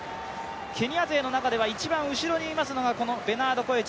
ケニア勢の中では一番後ろにいますのが、このベナード・コエチ。